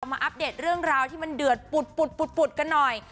มาอัปเดตเรื่องราวที่มันเดือดปุดกันหน่อย